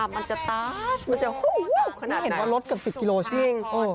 มันจะมันจะขนาดไหนถ้าเห็นว่ารถเกือบสิบกิโลชีมีจริงเออ